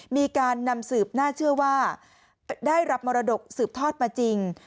มีการนำสืบน่าเชื่อว่าได้รับมรดกสืบทอดมาจริง